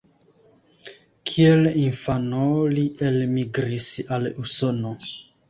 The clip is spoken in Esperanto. Kiel infano li elmigris al Usono.